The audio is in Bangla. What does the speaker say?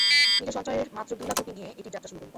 নিজের সঞ্চয়ের মাত্র দুই লাখ রুপি নিয়ে এটির যাত্রা শুরু করি।